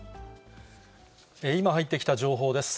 今、入ってきた情報です。